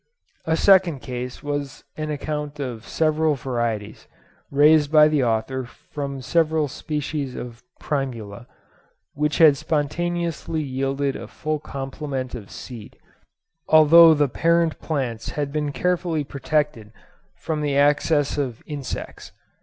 A second case was an account of several varieties, raised by the author from several species of Primula, which had spontaneously yielded a full complement of seed, although the parent plants had been carefully protected from the access of insects.